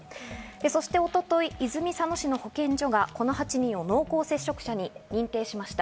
そして一昨日、泉佐野市の保健所はこの８人を濃厚接触者に認定しました。